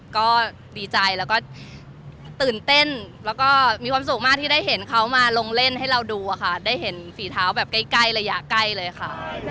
ก็ดีใจแล้วก็ตื่นเต้นแล้วก็มีความสุขมากที่ได้เห็นเขามาลงเล่นให้เราดูค่ะได้เห็นฝีเท้าแบบใกล้ระยะใกล้เลยค่ะ